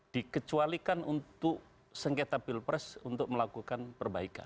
dikecualikan untuk sengketa pilpres untuk melakukan perbaikan